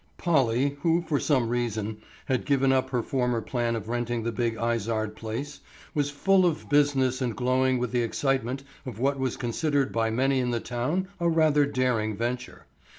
Polly, who for some reason had given up her former plan of renting the big Izard place, was full of business and glowing with the excitement of what was considered by many in the town a rather daring venture.